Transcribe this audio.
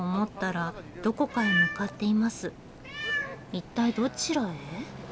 一体どちらへ？